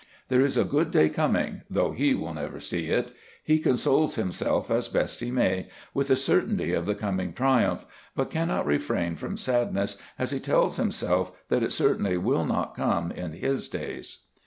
There is a good day coming, though he will never see it. He consoles himself as best he may with the certainty of the coming triumph; but cannot refrain from sadness as he tells himself that it certainly will not come in his days.